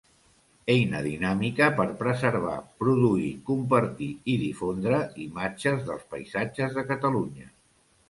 Eina dinàmica per preservar, produir, compartir i difondre imatges dels paisatges de Catalunya.